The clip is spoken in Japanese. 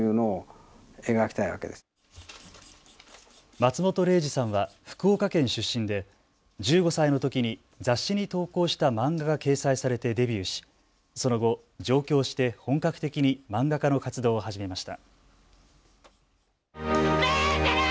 松本零士さんは福岡県出身で１５歳のときに雑誌に投稿した漫画が掲載されてデビューしその後、上京して本格的に漫画家の活動を始めました。